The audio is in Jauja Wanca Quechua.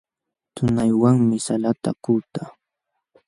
Tunaywanmi salata kutaa.